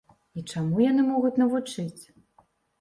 І чаму яны могуць навучыць?